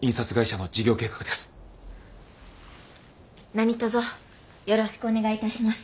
何とぞよろしくお願い致します。